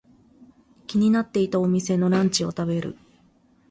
気になっていたお店のランチを食べる。